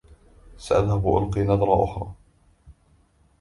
سأذهب وألقي نظرة أخرى.